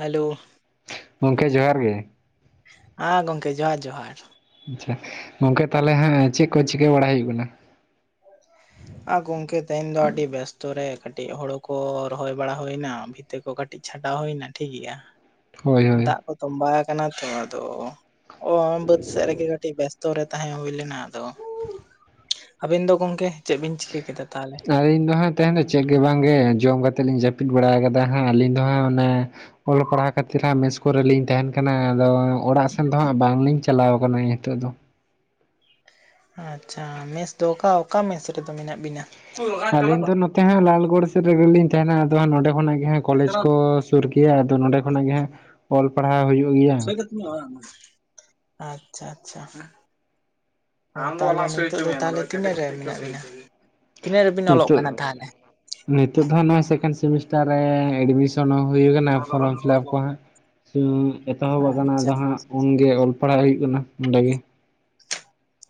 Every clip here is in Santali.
ᱦᱮᱞᱳ ᱜᱚᱢᱠᱮ ᱡᱚᱦᱟᱨ ᱜᱮ᱾ ᱟᱸ ᱜᱚᱢᱠᱮ ᱡᱚᱦᱟᱨ ᱡᱚᱦᱟᱨ᱾ ᱟᱪᱪᱷᱟ ᱜᱚᱝᱠᱮ ᱛᱟᱦᱚᱞᱮ ᱦᱟᱸᱜ ᱪᱮᱫ ᱠᱚ ᱪᱤᱠᱟᱹ ᱵᱟᱲᱟᱭ ᱦᱩᱭᱩᱜ ᱠᱟᱱᱟ? ᱟ ᱜᱚᱢᱠᱮ ᱛᱮᱦᱮᱧ ᱫᱚ ᱟᱹᱰᱤ ᱵᱮᱥᱛᱚ ᱨᱮ ᱠᱟᱹᱴᱤᱡ ᱦᱳᱲᱩ ᱠᱚ ᱨᱚᱦᱚᱭ ᱵᱟᱲᱟ ᱦᱩᱭᱱᱟ, ᱵᱷᱤᱛ ᱛᱟᱹ ᱠᱚ ᱠᱟᱹᱴᱤᱡ ᱪᱷᱟᱴᱟᱣ ᱦᱩᱭ ᱮᱱᱟ ᱴᱷᱤᱠ ᱜᱮᱭᱟ᱾ ᱦᱳᱭ ᱦᱳᱭ ᱫᱟᱜ ᱠᱚ ᱛᱚᱢᱵᱟ ᱟᱠᱟᱱᱟ ᱛᱚ ᱟᱫᱚ ᱚ ᱵᱟᱹᱫᱽ ᱥᱮᱡ ᱨᱮᱜᱮ ᱠᱟᱹᱴᱤᱡ ᱵᱮᱥᱛᱚ ᱨᱮ ᱛᱟᱦᱮᱸ ᱦᱩᱭ ᱞᱮᱱᱟ ᱟᱫᱚ ᱟᱹᱵᱤᱱ ᱫᱚ ᱜᱚᱝᱠᱮ ᱪᱮᱫ ᱵᱤᱱ ᱪᱤᱠᱟᱹ ᱠᱮᱫᱟ ᱛᱟᱦᱚᱞᱮ? ᱦᱚᱭ ᱤᱧ ᱫᱚ ᱦᱟᱸᱜ ᱛᱟᱦᱮᱱ ᱫᱚ ᱪᱮᱫ ᱜᱮ ᱵᱟᱝᱜᱮ ᱡᱚᱢ ᱠᱟᱛᱮᱫ ᱞᱤᱧ ᱡᱟᱹᱯᱤᱫ ᱵᱟᱲᱟ ᱟᱠᱟᱫᱟ ᱦᱟᱸᱜ ᱟᱹᱞᱤᱧ ᱫᱚ ᱦᱟᱸᱜ ᱚᱱᱮ ᱚᱞᱚᱜ ᱯᱟᱲᱦᱟᱣ ᱠᱷᱟᱹᱛᱤᱨ ᱦᱟᱸᱜ ᱢᱮᱥ ᱠᱚᱨᱮ ᱞᱤᱧ ᱛᱟᱦᱮᱱ ᱠᱟᱱᱟ ᱟᱫᱚ ᱚᱲᱟᱜ ᱥᱮᱱ ᱫᱚ ᱦᱟᱸᱜ ᱵᱟᱝᱞᱤᱧ ᱪᱟᱞᱟᱣ ᱠᱟᱱᱟ ᱱᱤᱛᱚᱜ ᱫᱚ᱾ ᱟᱪᱪᱷᱟ ᱢᱮᱥ ᱫᱚ ᱚᱠᱟ ᱚᱠᱟ ᱢᱮᱥ ᱨᱮᱫᱚ ᱢᱮᱱᱟᱜ ᱵᱤᱱᱟ? ᱛᱟᱦᱮᱸ ᱞᱟᱞᱜᱚᱲ ᱥᱮᱫ ᱨᱮᱜᱮᱞᱤᱧ ᱛᱟᱦᱮᱱᱟ ᱟᱫᱚ ᱦᱟᱸᱜ ᱱᱚᱸᱰᱮ ᱠᱷᱚᱱᱟᱜ ᱜᱮ ᱦᱟᱸ ᱠᱚᱞᱮᱡ ᱠᱚ ᱥᱩᱨ ᱜᱮᱭᱟ ᱟᱫᱚ ᱱᱚᱸᱰᱮ ᱠᱷᱚᱱᱟᱜ ᱜᱮ ᱦᱟᱸᱜ ᱚᱞ ᱯᱟᱲᱦᱟᱣ ᱦᱩᱭᱩᱜ ᱜᱮᱭᱟ᱾ ᱟᱪᱪᱷᱟ, ᱟᱪᱪᱷᱟ᱾ [unintelligible] ᱛᱟᱦᱚᱞᱮ ᱛᱤᱱᱟᱹᱜ ᱨᱮ ᱢᱮᱱᱟᱜ ᱵᱤᱱᱟ? ᱛᱤᱱᱟᱹᱜ ᱨᱮᱵᱤᱱ ᱚᱞᱚᱜ ᱱᱤᱛᱚᱜ ᱠᱟᱱᱟ ᱛᱟᱦᱚᱞᱮ? ᱱᱤᱛᱚᱜ ᱫᱚ ᱱᱷᱟᱜ ᱱᱚᱜ-ᱚᱭ ᱥᱮᱠᱮᱱᱰ ᱥᱮᱢᱤᱥᱴᱟᱨ ᱨᱮ ᱮᱰᱢᱤᱥᱚᱱ ᱦᱚᱸ ᱦᱩᱭ ᱟᱠᱟᱱᱟ ᱯᱷᱚᱨᱚᱢ ᱯᱷᱤᱞᱟᱯ ᱠᱚ ᱦᱟᱜ ᱥᱩ ᱮᱛᱚᱦᱚᱵ ᱟᱠᱟᱱᱟ ᱟᱪᱪᱷᱟ ᱟᱫᱚ ᱦᱟᱸᱜ ᱩᱱ ᱠᱷᱚᱡ ᱤᱭᱟᱹ ᱚᱞ ᱯᱟᱲᱦᱟᱜ ᱦᱩᱭᱩᱜ ᱠᱟᱱᱟ ᱚᱸᱰᱮ ᱜᱮ᱾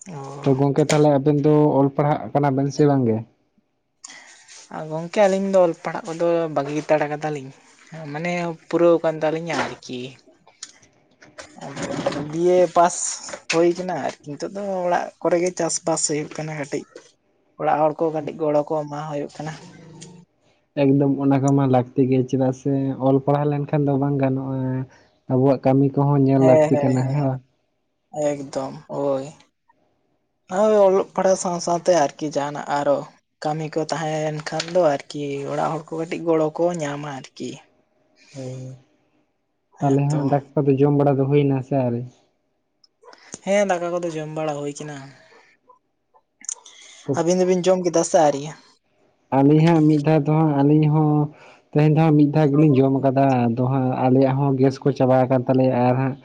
ᱚ ᱛᱚ ᱜᱚᱝᱠᱮ ᱛᱟᱦᱚᱞᱮ ᱟᱵᱮᱱ ᱫᱚ ᱚᱞ ᱯᱟᱲᱦᱟᱜ ᱠᱟᱱᱟ ᱵᱮᱱ ᱥᱮ ᱵᱟᱝ ᱜᱮ? ᱜᱚᱢᱠᱮ ᱟᱹᱞᱤᱧ ᱫᱚ ᱚᱞ ᱯᱟᱲᱦᱟᱜ ᱠᱚᱫᱚ ᱵᱟᱹᱜᱤ ᱦᱟᱛᱟᱲ ᱠᱟᱫᱟᱞᱤᱧ᱾ ᱢᱟᱱᱮ ᱯᱩᱨᱟᱹᱣ ᱠᱟᱱ ᱛᱟᱞᱤᱧᱟ ᱟᱨᱠᱤ᱾ ᱟᱫᱚ ᱵᱤᱭᱮ ᱯᱟᱥ ᱦᱳᱭ ᱠᱟᱱᱟ, ᱟᱨ ᱱᱤᱛᱚᱜ ᱫᱚ ᱚᱲᱟᱜ ᱠᱚᱨᱮᱜ ᱜᱮ ᱪᱟᱥ ᱵᱟᱥ ᱦᱩᱭᱩᱜ ᱠᱟᱱᱟ ᱠᱟᱹᱴᱤᱡ ᱚᱲᱟᱜ ᱦᱚᱲ ᱠᱚ ᱠᱟᱹᱴᱤᱡ ᱜᱚᱲᱚ ᱠᱚ ᱮᱢᱟ ᱦᱩᱭᱩᱜ ᱠᱟᱱᱟ᱾ ᱮᱠᱫᱚᱢ ᱚᱱᱟ ᱠᱚᱢᱟ ᱞᱟᱹᱠᱛᱤ ᱜᱮ ᱪᱮᱫᱟᱜ ᱥᱮ ᱚᱞ ᱯᱟᱲᱦᱟᱣ ᱞᱮᱱᱠᱷᱟᱱ ᱫᱚ ᱵᱟᱝ ᱜᱟᱱᱚᱜᱼᱟ᱾ ᱟᱵᱚᱣᱟᱜ ᱠᱟᱹᱢᱤ ᱠᱚᱦᱚᱸ ᱧᱮᱞ ᱞᱟᱹᱠᱛᱤ ᱦᱮᱸ ᱦᱮᱸ ᱠᱟᱱᱟ ᱦᱮᱸ ᱦᱮ ᱮᱠᱫᱚᱢ ᱳᱭ [inaudible] ᱚᱞᱚᱜ ᱯᱟᱲᱦᱟᱣ ᱥᱟᱶ ᱥᱟᱶᱛᱮ ᱟᱨᱠᱤ ᱡᱟᱦᱟᱱᱟᱜ ᱟᱨᱚ ᱠᱟᱹᱢᱤ ᱠᱚ ᱛᱟᱦᱮᱸᱭᱮᱱ ᱠᱷᱟᱱ ᱫᱚ ᱟᱨᱠᱤ ᱚᱲᱟᱜ ᱦᱚᱲ ᱠᱚ ᱠᱟᱹᱴᱤᱡ ᱜᱚᱲᱚ ᱠᱚ ᱧᱟᱢᱟ ᱟᱨᱠᱤ? ᱚᱻ ᱦᱮᱸ ᱛᱟᱞᱮ ᱛᱚ ᱦᱟᱸᱜ ᱫᱟᱠᱟ ᱠᱚ ᱫᱚ ᱡᱚᱢ ᱵᱟᱲᱟ ᱫᱚ ᱦᱩᱭᱱᱟ ᱥᱮ ᱟᱣᱨᱤ? ᱦᱮᱸ ᱫᱟᱠᱟ ᱠᱚᱫᱚ ᱡᱚᱢ ᱵᱟᱲᱟ ᱦᱩᱭ ᱠᱟᱱᱟ᱾ ᱟᱵᱤᱱ ᱫᱚᱵᱤᱱ ᱡᱚᱢ ᱠᱮᱫᱟ ᱥᱮ ᱟᱹᱨᱤᱭᱟ? ᱟᱹᱞᱤᱧ ᱦᱟᱸᱜ ᱢᱤᱫ ᱫᱷᱟᱣ ᱫᱚ ᱦᱟᱸᱜ ᱟᱹᱞᱤᱧ ᱦᱚᱸ ᱛᱮᱦᱮᱧ ᱫᱚ ᱦᱟᱸᱜ ᱢᱤᱫ ᱫᱷᱟᱣ ᱜᱮᱞᱤᱧ ᱡᱚᱢ ᱟᱠᱟᱫᱟ᱾ ᱟᱫᱚ ᱦᱟᱸᱜ ᱟᱞᱮᱭᱟᱜ ᱦᱚᱸ ᱜᱮᱥ ᱠᱚ ᱪᱟᱵᱟ ᱟᱠᱟᱱ ᱛᱟᱞᱮᱭᱟ ᱟᱨ ᱦᱟᱸᱜ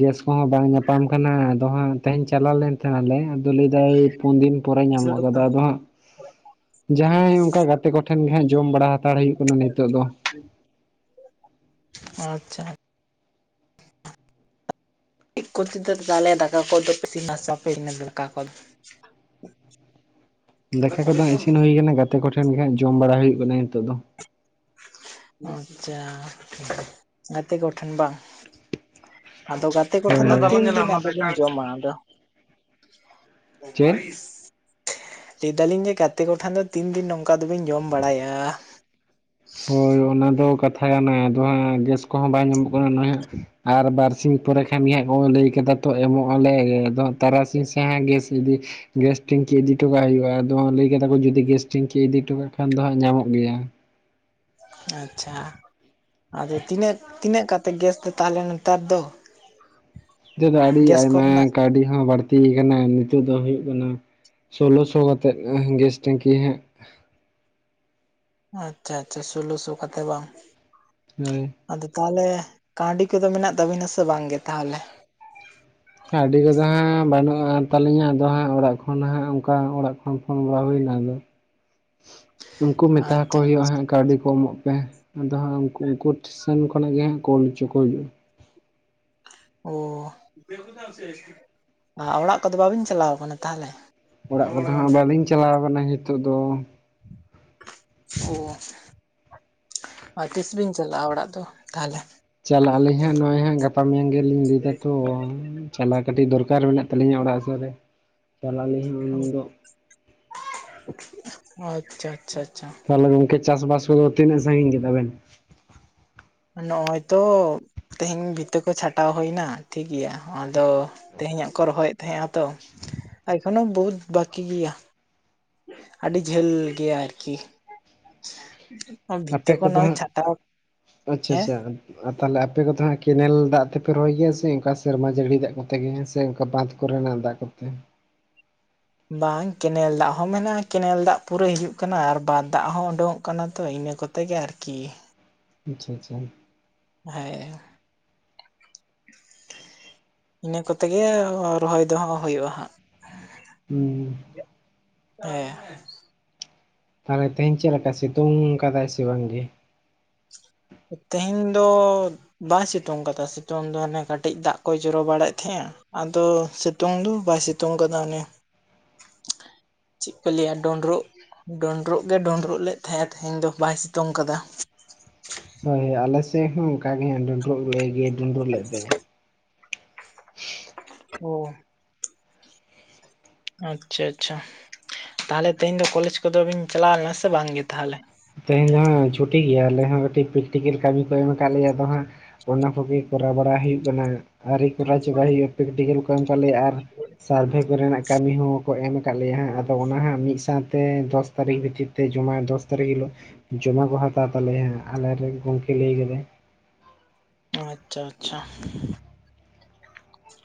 ᱜᱮᱥ ᱠᱚᱦᱚᱸ ᱵᱟᱝ ᱧᱟᱯᱟᱢ ᱠᱟᱱᱟ᱾ ᱟᱫᱚ ᱦᱟᱸᱜ ᱛᱮᱦᱮᱧ ᱪᱟᱞᱟᱣ ᱞᱮᱱ ᱛᱟᱦᱮᱱᱟᱞᱮ᱾ ᱟᱫᱚ ᱞᱟᱹᱭ ᱮᱫᱟ ᱯᱩᱱᱫᱤᱱ ᱯᱚᱨᱮ ᱧᱟᱢᱚᱜ ᱠᱟᱫᱟ᱾ ᱟᱫᱚ ᱦᱟᱸᱜ ᱡᱟᱦᱟᱸᱭ ᱳᱝᱠᱟ ᱜᱟᱛᱮ ᱠᱚᱴᱷᱮᱱ ᱜᱮ ᱦᱟᱸᱜ ᱡᱚᱢ ᱵᱟᱲᱟ ᱦᱟᱛᱟᱲ ᱦᱩᱭᱩᱜ ᱠᱟᱱᱟ ᱱᱤᱛᱚᱜ ᱫᱚ ᱟᱪᱪᱷᱟ, [unintelligible] [inaudible] ᱫᱟᱠᱟ ᱠᱚᱫᱚ ᱤᱥᱤᱱ ᱦᱩᱭ ᱟᱠᱟᱱᱟ᱾ ᱜᱟᱛᱮ ᱠᱚᱴᱷᱮᱱ ᱜᱮ ᱦᱟᱸᱜ ᱡᱚᱢ ᱵᱟᱲᱟ ᱦᱩᱭᱩᱜ ᱠᱟᱱᱟ ᱱᱤᱛᱚᱜ ᱫᱚ᱾ ᱟᱪᱪᱷᱟ ᱜᱟᱛᱮ ᱠᱚᱴᱷᱮᱱ ᱵᱟᱝ? ᱟᱫᱚ ᱜᱟᱛᱮ ᱦᱳᱭ ᱠᱚᱴᱷᱮᱱ ᱫᱚ ᱦᱳᱭ [unintelligible] ᱵᱟ ᱡᱚᱢᱟ ᱟᱫᱚ ᱪᱮᱫ ᱚᱵᱟᱨᱤᱥ, ᱞᱟᱹᱭ ᱫᱟᱞᱤᱧ ᱡᱮ ᱜᱟᱛᱮ ᱠᱚᱴᱷᱮᱱ ᱫᱚ ᱛᱤᱱ ᱫᱤᱱ ᱱᱚᱝᱠᱟ ᱫᱚᱵᱤᱱ ᱡᱚᱢ ᱵᱟᱲᱟᱭᱟ? ᱦᱳᱭ ᱚᱱᱟ ᱫᱚ ᱠᱟᱛᱷᱟ ᱠᱟᱱᱟ ᱟᱫᱚ ᱦᱟᱸᱜ ᱜᱮᱥ ᱠᱚᱦᱚᱸ ᱵᱟᱭ ᱧᱟᱢᱚᱜ ᱠᱟᱱᱟ ᱦᱟᱸᱜ ᱟᱨ ᱵᱟᱨᱥᱤ ᱯᱚᱨᱮ ᱠᱷᱟᱱ ᱜᱮ ᱦᱟᱸᱜ ᱠᱚᱭ ᱞᱟᱹᱭ ᱠᱮᱫᱟ ᱛᱚ ᱮᱢᱚᱜ ᱟᱞᱮ᱾ ᱟᱫᱚ ᱛᱟᱨᱟᱥᱤᱧ ᱥᱮ ᱦᱟᱸᱜ ᱜᱮᱥ ᱤᱫᱤ ᱜᱮᱥ ᱴᱤᱱᱠᱤ ᱤᱫᱤ ᱦᱚᱴᱚ ᱠᱟᱜ ᱦᱩᱭᱩᱜᱼᱟ᱾ ᱟᱫᱚ ᱞᱟᱹᱭ ᱠᱮᱫᱟ ᱠᱚ ᱡᱩᱫᱤ ᱜᱮᱥ ᱴᱤᱱᱠᱤ ᱤᱫᱤ ᱦᱚᱴᱚ ᱠᱟᱜ ᱠᱷᱟᱱ ᱫᱚ ᱦᱟᱸᱜ ᱧᱟᱢᱚᱜ ᱜᱮᱭᱟ᱾ ᱟᱪᱪᱷᱟ ᱟᱫᱚ ᱛᱤᱱᱟᱹᱜ ᱛᱤᱱᱟᱹᱜ ᱠᱟᱛ ᱛᱮ ᱜᱮᱥ ᱫᱚ ᱛᱟᱦᱞᱮ ᱱᱮᱛᱟᱨ ᱫᱚ ᱱᱤᱛᱚᱜ ᱫᱚ ᱟᱹᱰᱤ ᱜᱮᱥ ᱟᱭᱢᱟ ᱠᱚᱨᱮᱱᱟᱜ ᱠᱟᱹᱣᱰᱤ ᱦᱚᱸ ᱵᱟᱹᱲᱛᱤ ᱛᱤᱭ ᱠᱟᱱᱟ ᱱᱤᱛᱳᱜ ᱫᱚ ᱦᱩᱭᱩᱜ ᱠᱟᱱᱟ ᱥᱳᱞᱞᱳ ᱥᱳ ᱠᱟᱛᱮᱜ ᱮᱦ ᱜᱮᱥ ᱴᱮᱝᱠᱤ ᱦᱟᱸᱜ᱾ ᱟᱪᱪᱷᱟ ᱟᱪᱪᱷᱟ ᱥᱳᱞᱞᱳ ᱥᱳ ᱠᱟᱛᱮ ᱵᱟᱝ? ᱦᱳᱭ, ᱟᱫᱚ ᱛᱟᱣᱞᱮ ᱠᱟᱹᱣᱰᱤ ᱠᱚᱫᱚ ᱢᱮᱱᱟᱜ ᱛᱟᱵᱤᱱᱟ ᱥᱮ ᱵᱟᱝ ᱜᱮ ᱛᱟᱦᱚᱞᱮ? ᱚᱱᱠᱟ ᱟᱤᱰᱤ ᱠᱚᱫᱚ ᱦᱟᱸᱜ ᱵᱟᱹᱱᱩᱜᱼᱟᱱ ᱛᱟᱹᱟᱞᱤᱧᱟ᱾ ᱟᱫᱚ ᱦᱟᱸᱜ ᱚᱲᱟᱜ ᱠᱷᱚᱱ ᱦᱟᱸᱜ ᱚᱱᱠᱟ ᱚᱲᱟᱜ ᱠᱷᱚᱱ ᱯᱷᱳᱱ ᱵᱟᱲᱟ ᱦᱩᱭᱱᱟ ᱟᱫᱚ᱾ ᱩᱱᱠᱩ ᱢᱮᱛᱟ ᱠᱚ ᱟᱪᱪᱷᱟ ᱦᱩᱭᱩᱜᱼᱟ ᱟᱪᱪᱷᱟ ᱦᱟᱸᱜ ᱠᱟᱹᱣᱰᱤ ᱠᱚ ᱮᱢᱚᱜ ᱯᱮ᱾ ᱟᱫᱚ ᱦᱟᱸᱜ ᱩᱱ ᱩᱱᱠᱩ ᱥᱮᱱ ᱠᱷᱚᱱᱟᱜ ᱜᱮ ᱦᱟᱸᱜ ᱠᱚᱞ ᱚᱪᱚ ᱠᱚ ᱦᱩᱭᱩᱜᱼᱟ ᱚᱻ ᱟ ᱚᱲᱟᱜ ᱠᱚᱫᱚ ᱵᱟᱵᱤᱱ ᱪᱟᱞᱟᱣ ᱠᱟᱱᱟ ᱛᱟᱦᱚᱞᱮ᱾ ᱚᱲᱟᱜ ᱠᱚᱫᱚ ᱦᱟᱸᱜ ᱵᱟᱹᱞᱤᱧ ᱪᱟᱞᱟᱣ ᱠᱟᱱᱟ ᱱᱤᱛᱚᱜ ᱫᱚ᱾ ᱚᱻ, ᱟᱨ ᱛᱤᱥ ᱵᱤᱱ ᱪᱟᱞᱟᱜᱼᱟ ᱚᱲᱟᱜ ᱫᱚ ᱛᱟᱦᱞᱮ? ᱪᱟᱞᱟᱜ ᱟᱹᱞᱤᱧ ᱦᱟᱸᱜ ᱱᱚᱜᱼᱚᱭ ᱦᱟᱸᱜ ᱜᱟᱯᱟ ᱢᱮᱭᱟᱝ ᱜᱮᱞᱤᱧ ᱞᱟᱹᱭ ᱫᱟ ᱛᱚ᱾ ᱪᱟᱞᱟ ᱠᱟᱹᱴᱤᱡ ᱫᱚᱨᱠᱟᱨ ᱢᱮᱱᱟᱜ ᱛᱟᱞᱤᱧᱟ ᱚᱲᱟᱜ ᱥᱮᱜ ᱨᱮ ᱪᱟᱞᱟᱜ ᱟᱹᱞᱤᱧ ᱦᱚᱸ᱾ [unintelligible] ᱟᱪᱪᱷᱟ ᱟᱪᱪᱷᱟ ᱟᱪᱪᱷᱟ ᱛᱟᱦᱚᱞᱮ ᱜᱚᱢᱠᱮ ᱪᱟᱥᱵᱟᱥ ᱠᱚᱫᱚ ᱛᱤᱱᱟᱹᱜ ᱥᱟᱺᱜᱤᱧ ᱜᱮᱫᱟᱵᱮᱱ? ᱱᱚᱜᱚᱭ ᱛᱚ ᱛᱮᱦᱮᱧ ᱵᱷᱤᱛᱟᱹ ᱠᱚ ᱪᱷᱟᱴᱟᱣ ᱦᱩᱭ ᱮᱱᱟ ᱴᱷᱤᱠ ᱜᱮᱭᱟ ᱴᱷᱤᱠ ᱜᱮᱭᱟ᱾ ᱟᱫᱚ ᱛᱮᱦᱮᱧᱟᱜ ᱠᱚ ᱨᱚᱦᱚᱭᱮᱫ ᱛᱟᱦᱮᱸᱼᱟ ᱛᱚ, ᱮᱠᱷᱚᱱᱚ ᱵᱚᱦᱩᱛ ᱵᱟᱠᱤ ᱜᱮᱭᱟ᱾ ᱟᱹᱰᱤ ᱡᱷᱟᱹᱞ ᱜᱮᱭᱟ ᱟᱨᱠᱤ ᱵᱷᱤᱛᱟᱹ ᱟᱯᱮ ᱠᱚ ᱠᱚᱫᱚ ᱱᱚᱜ-ᱚᱭ ᱦᱟᱸᱜ ᱪᱷᱟᱴᱟᱣ ᱟᱪᱪᱷᱟ ᱦᱮᱸ ᱪᱷᱟ, ᱟᱨ ᱛᱟᱦᱚᱞᱮ ᱟᱯᱮ ᱠᱚᱫᱚ ᱦᱟᱜ ᱠᱮᱱᱮᱞ ᱫᱟᱜ ᱛᱮᱯᱮ ᱨᱚᱦᱚᱭ ᱜᱮᱭᱟ ᱥᱮ ᱚᱱᱠᱟ ᱥᱮᱨᱢᱟ ᱡᱟᱹᱲᱤ ᱫᱟᱜ ᱠᱚᱛᱮ ᱜᱮ ᱥᱮ ᱠᱟ ᱵᱟᱸᱫᱷ ᱠᱚ ᱠᱚᱨᱮᱱᱟᱜ ᱫᱟᱜ ᱠᱚᱛᱮ ᱵᱟᱝ ᱠᱮᱱᱮᱞ ᱫᱟᱜ ᱦᱚᱸ ᱢᱮᱱᱟᱜᱼᱟ᱾ ᱠᱮᱱᱮᱞ ᱫᱟᱜ ᱯᱩᱨᱟᱹ ᱦᱤᱡᱩᱜ ᱠᱟᱱᱟ ᱟᱨ ᱵᱟᱫᱽ ᱫᱟᱜ ᱦᱚᱸ ᱩᱰᱩᱝᱚᱜ ᱠᱟᱱᱟ᱾ ᱛᱚ ᱤᱱᱟᱹ ᱠᱚᱛᱮ ᱛᱮᱜᱮ ᱟᱨᱠᱤ ᱟᱪᱪᱷᱟ ᱟᱪᱪᱷᱟ ᱦᱮᱸ ᱤᱱᱟᱹ ᱠᱚᱛᱮ ᱜᱮ ᱨᱚᱦᱚᱭ ᱫᱚ ᱦᱟᱸᱜ ᱦᱳᱭᱳᱜᱼᱟ᱾ ᱦᱩᱸ, ᱦᱮᱸ ᱦᱮᱸ, ᱛᱟᱦᱚᱞᱮ ᱛᱮᱦᱮᱧ ᱪᱮᱫ ᱞᱮᱠᱟ ᱥᱤᱛᱩᱝ ᱠᱟᱫᱟᱭ ᱥᱮ ᱵᱟᱝᱜᱮ? ᱛᱮᱦᱮᱧ ᱫᱚ ᱵᱟᱭ ᱥᱤᱛᱩᱝ ᱠᱟᱫᱟ ᱥᱤᱛᱩᱝ ᱫᱚ ᱦᱟᱱᱮ ᱠᱟᱹᱴᱤᱡ ᱫᱟᱜ ᱠᱚᱭ ᱡᱚᱨᱚ ᱵᱟᱲᱟᱭᱮᱫ ᱛᱟᱦᱮᱸᱜᱼᱟ ᱟᱫᱚ ᱥᱤᱛᱩᱝ ᱫᱚ ᱵᱟᱭ ᱥᱤᱛᱩᱝ ᱠᱟᱫᱟ ᱚᱱᱮ [unintelligible] ᱪᱮᱫ ᱠᱚ ᱞᱟᱹᱭᱟ ᱰᱳᱸᱰᱨᱳᱜ ᱰᱩᱸᱰᱨᱩᱜ ᱜᱮ ᱰᱩᱸᱰᱨᱩᱜ ᱞᱮᱫ ᱛᱟᱦᱮᱸ ᱛᱮᱦᱮᱧ ᱫᱚ ᱵᱟᱭ ᱥᱤᱛᱩᱝ ᱠᱟᱫᱟ [unintelligible] ᱦᱳᱭ ᱦᱳᱭ ᱟᱞᱮ ᱥᱮᱫ ᱦᱚᱸ ᱚᱱᱠᱟᱜᱮ ᱰᱩᱸᱰᱨᱩᱜ ᱞᱮ ᱰᱩᱸᱰᱩᱜ ᱞᱮᱫ ᱛᱟᱦᱮᱸ ᱚ ᱟᱪᱪᱷᱟ ᱟᱪᱪᱷᱟ ᱛᱟᱦᱚᱞᱮ ᱛᱮᱦᱮᱧ ᱫᱚ ᱠᱚᱞᱮᱡᱽ ᱠᱚᱫᱚ ᱵᱤᱱ ᱪᱟᱞᱟᱣ ᱞᱮᱱᱟ ᱥᱮ ᱵᱟᱝᱜᱮ ᱛᱟᱦᱚᱞᱮ? ᱛᱮᱦᱮᱧ ᱫᱚ ᱦᱟᱸᱜ ᱪᱷᱩᱴᱤ ᱜᱮᱭᱟ ᱟᱞᱮ ᱦᱚᱸ ᱠᱟᱹᱴᱤᱡ ᱯᱨᱮᱠᱴᱤᱠᱮᱞ ᱠᱟᱹᱢᱤ ᱠᱚ ᱮᱢ ᱠᱟᱫ ᱞᱮᱭᱟ ᱟᱫᱚ ᱦᱟᱸᱜ ᱚᱱᱟ ᱠᱚᱜᱮ ᱠᱚᱨᱟᱣ ᱵᱟᱲᱟ ᱦᱩᱭᱩᱜ ᱠᱟᱱᱟ ᱟᱨᱨᱤ ᱠᱚᱨᱟᱣ ᱪᱟᱵᱟᱭ ᱦᱩᱭᱩᱜᱼᱟ, ᱯᱨᱮᱠᱴᱤᱠᱮᱞ ᱠᱚ ᱮᱢ ᱠᱟᱜ ᱞᱮᱭᱟ ᱟᱨ ᱥᱟᱨᱵᱷᱮ ᱠᱚᱨᱮᱱᱟᱜ ᱠᱟᱹᱢᱤ ᱦᱚᱸᱠᱚ ᱮᱢ ᱟᱠᱟᱫ ᱞᱮᱭᱟ ᱦᱟᱸᱜ ᱟᱫᱚ ᱚᱱᱟ ᱦᱟᱸᱜ ᱢᱤᱫ ᱥᱟᱶᱛᱮ ᱫᱚᱥ ᱛᱟᱹᱨᱤᱠᱷ ᱵᱷᱤᱛᱤᱨ ᱛᱮ ᱡᱚᱢᱟᱭ ᱫᱚᱥ ᱛᱟᱨᱤᱠ ᱦᱤᱞᱳᱜ ᱡᱚᱢᱟ ᱠᱚ ᱦᱟᱛᱟᱣ ᱛᱟᱞᱮᱭᱟ ᱦᱮ ᱟᱞᱮᱨᱮ ᱜᱚᱝᱠᱮ ᱞᱟᱹᱭ ᱠᱮᱫᱟᱭ᱾ ᱟᱪᱪᱷᱟ ᱟᱪᱪᱷᱟ᱾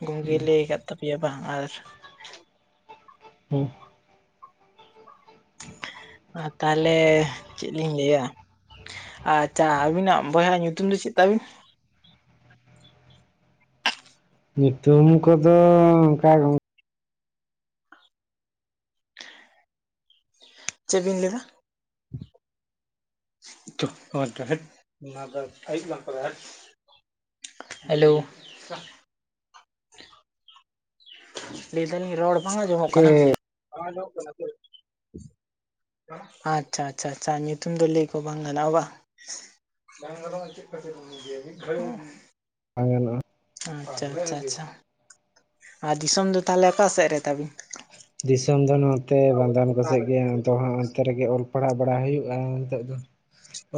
ᱜᱚᱝᱠᱮ ᱞᱟᱹᱭ ᱟᱠᱟᱫ ᱛᱟᱯᱮᱭᱟ ᱵᱟᱝ ᱟᱨ ᱦᱮᱸ ᱛᱟᱦᱚᱞᱮ ᱪᱮᱫ ᱞᱤᱧ ᱞᱟᱹᱭᱟ ᱟᱪᱪᱷᱟ ᱟᱹᱵᱤᱱᱟᱜ ᱵᱚᱭᱦᱟ ᱧᱩᱛᱩᱢ ᱫᱚ ᱪᱮᱫ ᱛᱟᱵᱤᱱ? ᱧᱩᱛᱩᱢ ᱠᱚᱫᱚ ᱚᱱᱠᱟ ᱪᱮᱫ ᱵᱤᱱ ᱞᱟᱹᱭᱫᱟ [inaudible] ᱱᱚᱣᱟ ᱫᱚ ᱟᱹᱭᱩᱵ ᱞᱟᱝ ᱠᱚᱨᱟᱣ-ᱟ ᱼᱼ ᱦᱮᱞᱳ ᱞᱟᱹᱭ ᱫᱟᱞᱤᱧ ᱨᱚᱲ ᱵᱟᱝ ᱟᱸᱡᱚᱢᱚᱜ ᱜᱚᱢᱠᱮ ᱠᱟᱱᱟ, ᱵᱟᱝ ᱟᱸᱡᱚᱢᱚᱜ ᱠᱟᱱᱟ ᱟᱪᱪᱷᱟ ᱟᱪᱪᱷᱟ ᱧᱩᱛᱩᱢ ᱫᱚ ᱞᱟᱹᱭ ᱠᱚ ᱵᱟᱝ ᱜᱟᱱᱚᱜᱼᱟ ᱵᱟᱝ? ᱵᱟᱝ ᱜᱟᱱᱚᱜ ᱪᱮᱫ ᱠᱷᱟᱹᱛᱤᱨ ᱩᱱᱤ ᱞᱟᱹᱭ ᱟᱵᱤᱱ [inaudible] ᱟᱪᱪᱷᱟ ᱟᱪᱪᱷᱟ ᱟᱪᱷᱟ ᱟᱨ ᱫᱤᱥᱚᱢ ᱫᱚ ᱛᱟᱦᱚᱞᱮ ᱚᱠᱟ ᱥᱮᱫ ᱨᱮ ᱛᱟᱵᱤᱱ ᱫᱤᱥᱚᱢ ᱫᱚ ᱱᱚᱛᱮ ᱵᱟᱝᱜᱟᱞ ᱠᱚᱥᱮᱫ ᱜᱮ ᱟᱫᱚ ᱦᱟᱸᱜ ᱚᱱᱛᱮ ᱨᱮᱜᱮ ᱚᱞ ᱯᱟᱲᱦᱟᱣ ᱯᱟᱲᱦᱟᱣ ᱵᱟᱲᱟ ᱦᱩᱭᱩᱜᱼᱟ ᱱᱤᱛᱚᱜ ᱫᱚ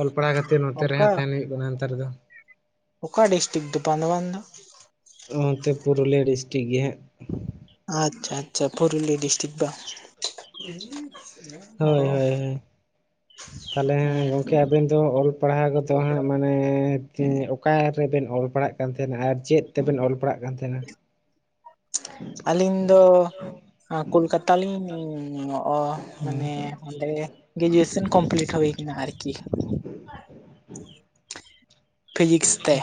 ᱚᱞ ᱯᱟᱲᱦᱟᱣ ᱠᱷᱟᱹᱛᱤᱨ ᱱᱚᱛᱮ ᱨᱮᱦᱚᱸ ᱚᱠᱟ ᱛᱟᱦᱮᱱ ᱦᱩᱭᱩᱜ ᱠᱟᱱᱟ ᱱᱮᱛᱟᱨ ᱫᱚ ᱚᱠᱟ ᱰᱤᱥᱴᱤᱠ ᱫᱚ ᱵᱟᱸᱱᱫᱣᱟᱱ ᱫᱚ ᱱᱚᱱᱚᱛᱮ ᱯᱩᱨᱩᱞᱤᱭᱟᱹ ᱰᱤᱥᱴᱤᱠ ᱜᱮ ᱦᱟᱸᱜ ᱟᱪᱪᱷᱟ ᱟᱪᱪᱷᱟ ᱯᱩᱨᱩᱞᱤᱭᱟᱹ ᱰᱤᱥᱴᱤᱠ ᱵᱟᱝ ᱦᱳᱭ ᱚ ᱦᱳᱭ ᱛᱟᱦᱞᱮ ᱦᱮᱸ ᱜᱚᱢᱠᱮ ᱟᱵᱮᱱ ᱫᱚ ᱚᱞ ᱯᱟᱲᱦᱟᱣ ᱜᱚᱫᱚ ᱦᱟᱸᱜ ᱢᱟᱱᱮ ᱢᱟᱱᱮ ᱚᱠᱟᱨᱮᱵᱮᱱ ᱚᱞ ᱯᱟᱲᱟᱜ ᱠᱟᱱ ᱛᱟᱦᱮᱱᱟ ᱟᱨ ᱪᱮᱫ ᱛᱮᱵᱮᱱ ᱚᱞ ᱯᱟᱲᱦᱟᱜ ᱠᱟᱱ ᱛᱟᱦᱮᱱᱟ ᱟᱹᱞᱤᱧ ᱫᱚ ᱠᱳᱞᱠᱟᱛᱟ ᱞᱤᱧ ᱢᱟᱱᱮ ᱚᱸᱰᱮ ᱜᱨᱮᱡᱩᱩᱭᱮᱥᱚᱱ ᱠᱚᱢᱯᱞᱤᱴ ᱦᱩᱭ ᱠᱟᱱᱟ ᱟᱨᱠᱤ [inaudible] ᱯᱷᱤᱡᱤᱠᱥ ᱛᱮ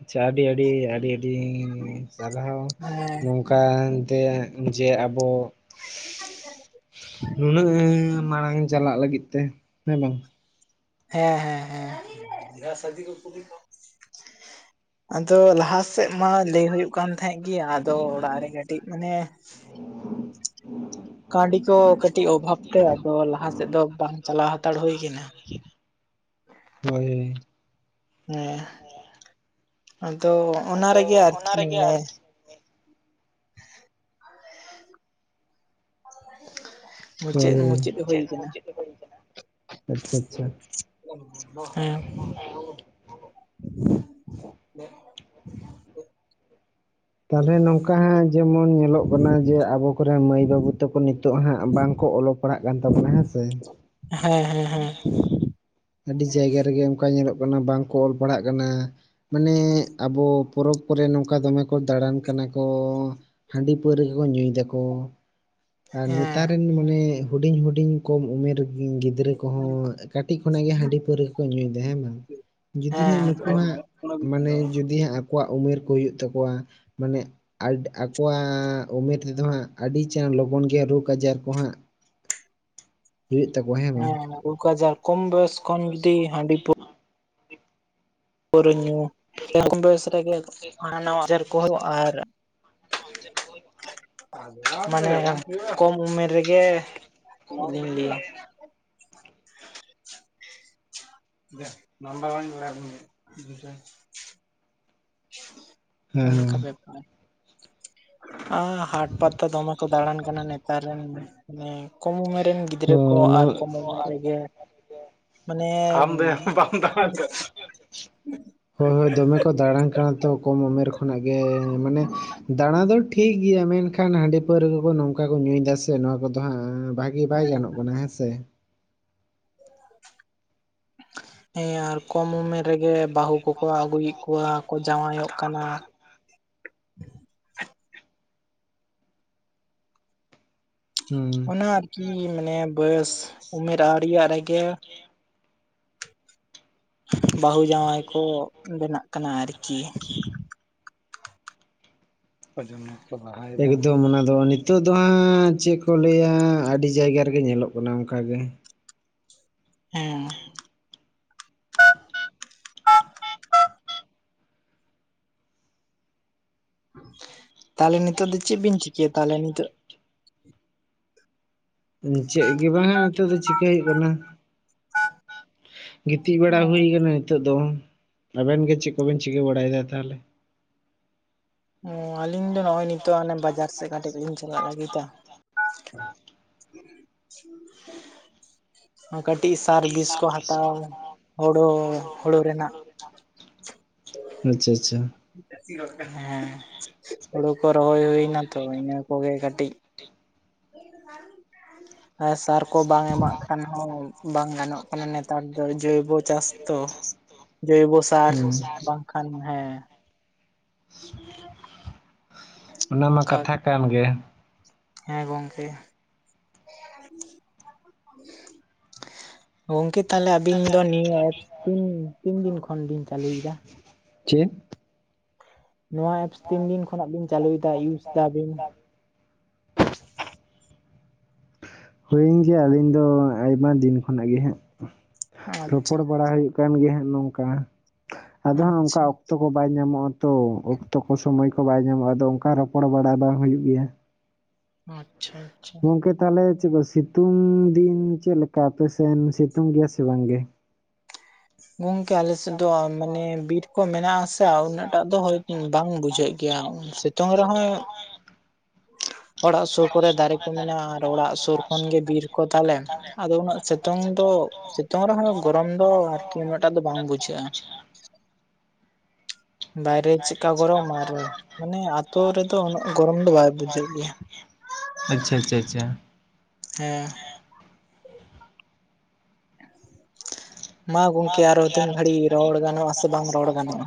ᱟᱪᱪᱷᱟ ᱟᱹᱰᱤ ᱟᱹᱰᱤ ᱟᱹᱰᱤ ᱟᱹᱰᱤ ᱦᱮᱸ ᱥᱟᱨᱦᱟᱣ ᱦᱮᱸ ᱱᱚᱝᱠᱟ ᱮᱱᱛᱮ ᱡᱮ ᱟᱵᱚ ᱱᱩᱱᱟᱹᱜ ᱢᱟᱲᱟᱝ ᱪᱟᱞᱟᱜ ᱞᱟᱹᱜᱤᱫ ᱛᱮ ᱦᱮᱸ ᱵᱟᱝ ᱦᱮᱸ ᱦᱮᱸ ᱦᱮᱸ ᱟᱫᱚ ᱞᱟᱦᱟ ᱥᱮᱫ ᱢᱟ ᱞᱟᱹᱭ ᱦᱩᱭᱩᱜ ᱠᱟᱱ ᱛᱟᱦᱮᱸᱫ ᱜᱮ ᱟᱫᱚ ᱚᱲᱟᱜ ᱨᱮ ᱠᱟᱹᱴᱤᱡ ᱢᱟᱱᱮ [unintelligible] ᱠᱟᱹᱣᱰᱤ ᱠᱚ ᱠᱟᱹᱴᱤᱡ ᱚᱵᱷᱟᱵ ᱛᱮ ᱟᱫᱚ ᱞᱟᱦᱟ ᱥᱮᱫ ᱫᱚ ᱵᱟᱝ ᱪᱟᱞᱟᱣ ᱦᱟᱛᱟᱲ ᱦᱩᱭ ᱠᱟᱱᱟ ᱦᱳᱭ ᱦᱮᱸ ᱟᱫᱚ ᱚᱱᱟ ᱨᱮᱜᱮ ᱟᱨᱠᱤ ᱢᱟᱱᱮ [unintelligible] ᱦᱳᱭ ᱦᱩᱭ ᱢᱩᱪᱟᱹᱫ ᱫᱚ ᱠᱟᱱᱟ ᱢᱩᱪᱟᱹᱫ ᱦᱳᱭ ᱠᱟᱱᱟ, ᱟᱪᱪᱷᱟ ᱟᱪᱪᱷᱟ ᱦᱮᱸ ᱛᱟᱦᱚᱞᱮ ᱱᱚᱝᱠᱟ ᱦᱟᱸᱜ ᱡᱮᱢᱚᱱ ᱧᱮᱞᱚᱜ ᱠᱟᱱᱟ ᱡᱮ ᱟᱵᱚ ᱠᱚ ᱢᱟᱹᱭ ᱵᱟᱹᱵᱩ ᱛᱟᱠᱚ ᱱᱤᱛᱚᱜ ᱦᱟᱸᱜ ᱵᱟᱝᱠᱚ ᱚᱞᱚᱜ ᱯᱟᱲᱦᱟᱜ ᱠᱟᱱ ᱛᱟᱵᱚᱱᱟ ᱦᱮᱸ ᱥᱮ ᱦᱮᱸ ᱦᱮᱸ ᱦᱮᱸ ᱟᱹᱰᱤ ᱡᱟᱭᱜᱟ ᱨᱮᱜᱮ ᱚᱱᱠᱟ ᱧᱮᱞᱚᱜ ᱠᱟᱱᱟ ᱵᱟᱝᱠᱚ ᱚᱞᱚᱜ ᱯᱟᱲᱦᱟᱜ ᱠᱟᱱᱟ ᱢᱟᱱᱮ ᱟᱵᱚ ᱯᱚᱨᱚᱵᱽ ᱠᱚᱨᱮ ᱱᱚᱝᱠᱟ ᱫᱚᱢᱮ ᱠᱚ ᱫᱟᱬᱟᱱ ᱠᱟᱱᱟ ᱠᱚ ᱦᱟᱺᱰᱤ ᱯᱟᱹᱣᱨᱟᱹ ᱠᱚᱠᱚ ᱧᱩᱭ ᱫᱟᱠᱚ ᱟᱨ ᱱᱮᱛᱟᱨ ᱨᱮᱱ ᱢᱟᱱᱮ ᱦᱩᱰᱤᱧ ᱦᱩᱰᱤᱧ ᱠᱚᱢ ᱩᱢᱮᱨ ᱜᱤᱫᱽᱨᱟᱹ ᱠᱚᱦᱚᱸ ᱠᱟᱹᱴᱤᱡ ᱱᱟᱹᱭ ᱜᱮ ᱦᱟᱺᱰᱤ ᱯᱟᱹᱣᱨᱟᱹ ᱠᱚ ᱧᱩᱭᱫᱟ ᱦᱮᱸ ᱵᱟᱝ ᱡᱩᱫᱤ ᱦᱮᱸ ᱦᱟᱸᱜ ᱱᱩᱠᱩ ᱦᱮᱸ ᱦᱟᱸᱜ ᱢᱟᱱᱮ ᱡ ᱡᱩᱫᱤ ᱦᱟᱸᱜ ᱟᱠᱚᱣᱟᱜ ᱩᱢᱮᱨ ᱠᱚ ᱦᱩᱭᱩᱜ ᱛᱟᱠᱚᱣᱟ ᱢᱟᱱᱮ ᱟᱰ ᱟᱠᱚᱣᱟᱜ ᱩᱢᱮᱨ ᱛᱮᱫᱚ ᱦᱟᱸᱜ ᱟᱹᱰᱤ ᱪᱟᱬ ᱞᱚᱜᱚᱱ ᱜᱮ ᱨᱳᱜᱽ ᱟᱡᱟᱨ ᱠᱚ ᱦᱟᱸᱜ [unintelligible] ᱦᱩᱭᱩᱜ ᱛᱟᱠᱚᱣᱟ ᱦᱮᱸ ᱵᱟᱝ ᱦᱮᱸ ᱨᱳᱜᱽ ᱟᱡᱟᱨ ᱠᱚᱢ ᱵᱚᱭᱚᱥ ᱠᱷᱚᱱ ᱡᱩᱫᱤ ᱦᱟᱺᱰᱤ ᱯᱟᱹᱣᱼᱼ ᱯᱟᱹᱣᱨᱟᱹ ᱧᱩ ᱥᱮ ᱠᱚᱢ ᱵᱚᱭᱚᱥ ᱨᱮᱜᱮ ᱦᱟᱱᱟ ᱱᱟᱣᱟ ᱟᱡᱟᱨ ᱠᱚ ᱦᱩᱭᱩᱜ-ᱟ ᱟᱨ [inaudible] ᱢᱟᱱᱮ ᱠᱚᱢ ᱩᱢᱮᱨ ᱨᱮᱜᱮ ᱪᱮᱫᱞᱤᱧ ᱞᱟᱹᱭᱟ [inaudible] ᱦᱮᱸ ᱦᱮᱸ [unintelligible] ᱟ ᱦᱟᱴ ᱯᱟᱟᱛ ᱫᱚ ᱫᱚᱢᱮ ᱠᱚ ᱫᱟᱬᱟᱱ ᱠᱟᱱᱟ ᱱᱮᱛᱟᱨ ᱨᱮᱱ ᱢᱟᱱᱮ ᱠᱚᱢ ᱩᱢᱮᱨ ᱨᱮᱱ ᱜᱤᱫᱽᱨᱟᱹ ᱠᱚ ᱦᱚᱸ ᱟᱨ ᱱᱚᱣᱟ ᱠᱚᱢ ᱩᱢᱮᱨ ᱨᱮᱜᱮ ᱢᱟᱱᱮᱡ ᱱ [unintelligible] ᱦᱳᱭ ᱦᱳᱭ ᱫᱚᱢᱮ ᱠᱚ ᱫᱟᱬᱟᱱ ᱠᱟᱱᱟ ᱛᱚ ᱠᱚᱢ ᱩᱢᱮᱨ ᱠᱷᱚᱱᱟᱜ ᱜᱮ ᱢᱟᱱᱮ ᱫᱟᱬᱟ ᱫᱚ ᱴᱷᱤᱠ ᱜᱮᱭᱟ ᱢᱮᱱᱠᱷᱟᱱ ᱦᱟᱺᱰᱤ ᱯᱟᱹᱣᱨᱟᱹ ᱠᱚᱠᱚ ᱱᱚᱝᱠᱟ ᱠᱚ ᱧᱩᱭᱮᱫᱫᱟ ᱥᱮ ᱱᱚᱣᱟ ᱠᱚᱫᱚ ᱦᱟᱸᱜ ᱵᱷᱟᱜᱤ ᱵᱟᱭ ᱜᱟᱱᱚᱜ ᱠᱟᱱᱟ ᱦᱮᱸ ᱥᱮ ᱦᱮᱸ ᱟᱨ ᱠᱚᱢ ᱩᱢᱮᱨ ᱨᱮᱜᱮ ᱵᱟᱹᱦᱩ ᱠᱚᱠᱚ ᱟᱹᱜᱩᱭᱮᱫ ᱠᱚᱣᱟ ᱠᱚ ᱡᱟᱶᱟᱭᱚᱜ ᱠᱟᱱᱟ ᱦᱩᱸ ᱚᱱᱟ ᱟᱨᱠᱤ ᱢᱟᱱᱮ ᱵᱚᱭᱮᱥ ᱩᱢᱮᱨ ᱟᱣᱨᱤᱭᱟᱜ ᱨᱮᱜᱮ ᱵᱟᱹᱦᱩ ᱡᱟᱶᱟᱭ ᱠᱚ ᱵᱮᱱᱟᱜ ᱠᱟᱱᱟ ᱟᱨᱠᱤ ᱟᱡᱚᱢᱟ ᱮᱠᱫᱚᱢ ᱚᱱᱟ ᱫᱚ ᱩᱱᱤ ᱱᱤᱛᱚᱜ ᱫᱚ ᱦᱟᱸᱜ ᱪᱮᱫ ᱠᱚ ᱞᱟᱹᱭᱟ ᱟᱹᱰᱤ ᱡᱟᱭᱜᱟ ᱨᱮᱜᱮ ᱧᱮᱞᱚᱜ ᱠᱟᱱᱟ ᱚᱱᱠᱟᱜᱮ ᱦᱮᱸ ᱛᱟᱦᱚᱞᱮ ᱱᱤᱛᱚᱜ ᱫᱚ ᱪᱮᱫ ᱵᱤᱱ ᱪᱤᱠᱮᱭᱟ ᱛᱟᱦᱞᱮ ᱱᱤᱛᱚᱜ ᱪᱮᱫ ᱜᱮ ᱵᱟᱝ ᱱᱤᱛᱚᱜᱜ ᱫᱚ ᱪᱤᱠᱠᱟ ᱦᱩᱭᱩᱜ ᱠᱟᱱᱟ ᱜᱤᱛᱤᱡ ᱵᱟᱲᱟ ᱦᱩᱭ ᱟᱠᱟᱱᱟ ᱱᱤᱛᱚᱜ ᱫᱚ ᱟᱵᱮᱱ ᱜᱮ ᱪᱮᱫ ᱠᱚᱵᱮᱱ ᱪᱤᱠᱟᱹ ᱵᱟᱲᱟᱭᱮᱫᱟ ᱛᱟᱦᱚᱞᱮ ᱚ ᱟᱹᱞᱤᱧ ᱫᱚ ᱱᱚᱜᱼᱚᱭ ᱱᱤᱛᱚᱜ ᱵᱟᱡᱟᱨ ᱥᱮᱫ ᱠᱟᱹᱴᱤᱡ ᱞᱤᱧ ᱪᱟᱞᱟᱜ ᱞᱟᱹᱜᱤᱫᱟ [unintelligible] ᱠᱟᱹᱴᱤᱡ ᱥᱟᱨᱵᱷᱤᱥ ᱠᱚ ᱦᱟᱛᱟᱣ ᱦᱳᱲᱳ ᱦᱩᱲᱩᱳ ᱨᱮᱱᱟᱜ ᱟᱪᱪᱷᱟ ᱟᱪᱪᱷᱟ ᱦᱮᱸ ᱦᱩᱲᱩ ᱠᱚ ᱨᱚᱦᱚᱭ ᱦᱩᱭᱱᱟ ᱛᱚ ᱤᱱᱟᱹ ᱠᱚᱜᱮ ᱠᱟᱹᱴᱤᱡ ᱥᱟᱨ ᱠᱚ ᱵᱟᱝ ᱮᱢᱟᱜ ᱠᱷᱟᱱ ᱦᱚᱸ ᱵᱟᱝ ᱜᱟᱱᱚᱜ ᱠᱟᱱᱟ ᱱᱮᱛᱟᱨ ᱫᱚ ᱡᱚᱭᱵᱚ ᱪᱟᱥ ᱛᱚ ᱡᱚᱭᱵᱚ ᱥᱟᱨ ᱦᱩᱸ ᱵᱟᱝ ᱠᱷᱟᱱ ᱦᱮᱸ [unintelligible] ᱚᱱᱟ ᱢᱟ ᱚᱱᱠᱟ ᱠᱟᱛᱷᱟ ᱠᱟᱱ ᱜᱮ ᱦᱮᱸ ᱜᱚᱢᱠᱮ [unintelligible] ᱜᱚᱝᱠᱮ ᱛᱟᱦᱚᱞᱮ ᱟᱹᱵᱤᱱ ᱫᱚ ᱱᱤᱭᱟᱹ ᱮᱯᱥ ᱵᱤᱱ ᱛᱤᱱ ᱫᱤᱱ ᱠᱷᱚᱱ ᱵᱤᱱ ᱪᱟᱹᱞᱩᱭᱮᱫᱟ ᱪᱮᱫ ᱱᱚᱣᱟ ᱮᱯᱥ ᱛᱤᱱ ᱫᱤᱱ ᱠᱷᱚᱱᱟᱜ ᱵᱤᱱ ᱪᱟᱹᱞᱩᱭᱮᱫᱟ ᱤᱭᱩᱡ ᱮᱫᱟ ᱵᱤᱱ ᱦᱩᱭᱮᱱ ᱜᱮᱭᱟ ᱟᱹᱞᱤᱧ ᱫᱚ ᱟᱭᱢᱟ ᱫᱤᱱ ᱠᱷᱚᱱᱟᱜ ᱜᱮ ᱦᱟᱸᱜ ᱟᱪᱪᱷᱟ ᱨᱚᱯᱚᱲ ᱵᱟᱲᱟ ᱦᱩᱭᱩᱜ ᱠᱟᱱ ᱜᱮ ᱦᱟᱸᱜ ᱱᱚᱝᱠᱟ ᱟᱫᱚ ᱦᱟᱸᱜ ᱱᱚᱚᱱᱠᱟ ᱟᱪᱪᱷᱟ ᱚᱠᱛᱚ ᱠᱚ ᱵᱟᱭ ᱧᱟᱢᱚᱜᱼᱟ ᱛᱚ ᱚᱠᱛᱚ ᱠᱚ ᱥᱚᱢᱚᱭ ᱠᱚ ᱵᱟᱭ ᱧᱟᱢᱚᱜᱼᱟ ᱟᱫᱚ ᱚᱱᱠᱟ ᱨᱚᱯᱚᱲ ᱵᱟᱲᱟ ᱵᱟᱝ ᱦᱩᱭᱩᱜ ᱜᱮᱭᱟ ᱟᱪᱪᱷᱟ ᱟᱪᱪᱷᱟ ᱜᱚᱝᱠᱮ ᱛᱟᱦᱚᱞᱮ ᱪᱮᱫ ᱠᱚ ᱥᱤᱛᱩᱝ ᱫᱤᱱ ᱪᱮᱫ ᱞᱮᱠᱟ ᱟᱯᱮᱥᱮᱱ ᱥᱤᱛᱩᱝ ᱜᱮᱭᱟ ᱥᱮ ᱵᱟᱝ ᱜᱮ ᱜᱚᱝᱠᱮ ᱟᱞᱮᱥᱮᱫ ᱫᱚ ᱢᱟᱱᱮ ᱵᱤᱨ ᱠᱚ ᱢᱮᱱᱟᱜ ᱟᱥᱮ ᱩᱱᱟᱹᱜ ᱴᱟᱜ ᱫᱚ ᱵᱟᱝ ᱵᱩᱡᱷᱟᱹᱜ ᱜᱮᱭᱟ ᱥᱤᱛᱩᱝ ᱨᱮᱦᱚᱸ [unintelligible] [unintelligible] ᱚᱲᱟᱜ ᱥᱩᱨ ᱠᱚᱨᱮ ᱫᱟᱨᱮ ᱠᱚ ᱢᱮᱱᱟᱜᱼᱟ ᱟᱨ ᱚᱲᱟᱜ ᱥᱩᱨ ᱠᱷᱚᱱᱜᱮᱵᱤᱨ ᱠᱚ ᱛᱟᱞᱮ ᱟᱫᱚ ᱩᱱᱟᱹᱜ ᱥᱤᱛᱩᱝ ᱫᱚ ᱥᱤᱛᱩᱝ ᱨᱮᱦᱚᱸ ᱜᱚᱨᱚᱢ ᱫᱚ ᱟᱨᱠᱤ ᱩᱱᱟᱹᱜᱴᱟᱜ ᱫᱚ ᱵᱟᱝ ᱵᱩᱡᱷᱟᱹᱜᱼᱟ [unintelligible] ᱵᱟᱭᱨᱮ ᱪᱮᱫᱠᱟ ᱜᱚᱨᱚᱢ ᱟᱨ ᱢᱟᱱᱮ ᱟᱛᱳ ᱨᱮᱫᱚ ᱩᱱᱟᱹᱜ ᱜᱚᱨᱚᱢ ᱫᱚ ᱵᱟᱭ ᱵᱩᱡᱷᱟᱹᱜ ᱜᱮᱭᱟ ᱟᱪᱪᱷᱟ ᱟᱪᱪᱷᱟ ᱟᱪᱪᱷᱟ ᱦᱮᱸ ᱢᱟ ᱜᱚᱝᱠᱮ ᱟᱨᱚ ᱛᱤᱱ ᱜᱷᱟᱹᱲᱤᱡ ᱨᱚᱲ ᱜᱟᱱᱚᱜ-ᱟ ᱥᱮ ᱵᱟᱝ ᱨᱚᱲ ᱜᱟᱱᱚᱜᱼᱟ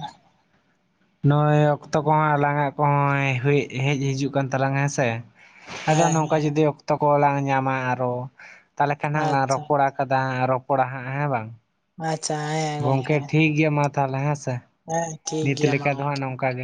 ᱱᱚᱜᱼᱚᱭ ᱚᱠᱛᱚ ᱠᱚᱦᱚᱸ ᱟᱞᱟᱝᱼᱜ ᱠᱚᱦᱚᱸ ᱦᱩᱭ ᱦᱮᱡ ᱦᱤᱡᱩᱜ ᱠᱟᱱ ᱛᱟᱞᱟᱝᱟ ᱦᱮᱸ ᱥᱮ ᱟᱫᱚ ᱦᱮᱸ ᱱᱚᱝᱠᱟ ᱡᱩᱫᱤ ᱚᱠᱛᱚ ᱠᱚ ᱞᱟᱝ ᱧᱟᱢᱟ ᱟᱨᱚ ᱛᱟᱦᱚᱞᱮ ᱠᱷᱟᱱ ᱦᱟᱸᱜ ᱞᱟᱝ ᱟᱪᱪᱷᱟ ᱨᱚᱯᱚᱲᱟ ᱠᱟᱫᱟ ᱨᱚᱯᱚᱲᱟ ᱦᱟᱸᱜ ᱦᱮᱸ ᱵᱟᱝ ᱟᱪᱪᱷᱟ ᱦᱮᱸ ᱜᱚᱝᱠᱮ ᱜᱚᱢᱠᱮ ᱴᱷᱤᱠ ᱜᱮᱭᱟ ᱢᱟ ᱛᱟᱦᱚᱞᱮ ᱦᱮᱸ ᱥᱮ ᱦᱮᱸ ᱴᱷᱤᱠ ᱱᱤᱛ ᱜᱮᱭᱟ ᱢᱟ ᱞᱮᱠᱟ ᱫᱚ ᱦᱟᱸᱜ ᱜᱚᱝᱠᱮ ᱱᱚᱝᱠᱟ ᱜᱮ